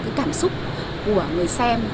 cái cảm xúc của người xem